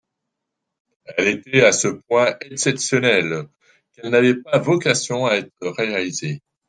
Elles étaient à ce point exceptionnelles qu’elles n’avaient pas vocation à être réalisées.